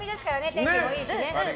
天気もいいしね。